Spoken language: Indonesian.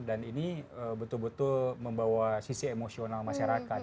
dan ini betul betul membawa sisi emosional masyarakat